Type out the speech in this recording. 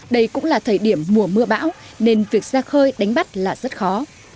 đây cũng là thời điểm mùa mưa bão nên việc ra khơi đánh bắt là rất khó